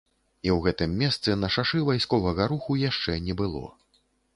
І ў гэтым месцы на шашы вайсковага руху яшчэ не было.